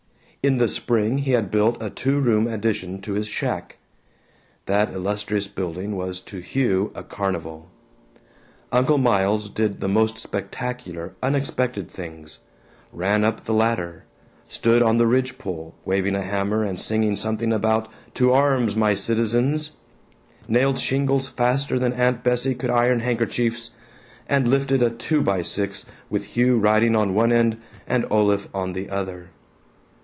In the spring he had built a two room addition to his shack. That illustrious building was to Hugh a carnival. Uncle Miles did the most spectacular, unexpected things: ran up the ladder; stood on the ridge pole, waving a hammer and singing something about "To arms, my citizens"; nailed shingles faster than Aunt Bessie could iron handkerchiefs; and lifted a two by six with Hugh riding on one end and Olaf on the other.